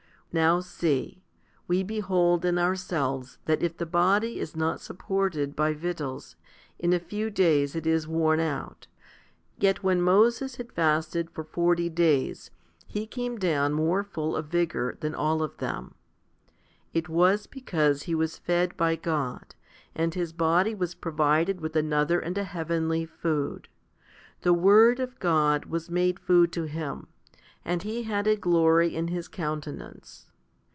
Now see ; we behold in ourselves that if the body is not supported by victuals, in a few days it is worn out; yet when Moses had fasted for forty days, he came down more full of vigour than all of them. It was because he was fed by God, and his body was provided with another and a heavenly food. The Word of God was made food to him, and he had a glory in his countenance.